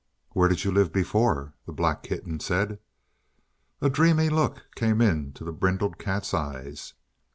"Where did you live before?" the black kitten said. A dreamy look came into the brindled cat's eyes.